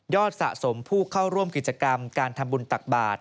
สะสมผู้เข้าร่วมกิจกรรมการทำบุญตักบาท